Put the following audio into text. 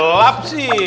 kalo gelap sih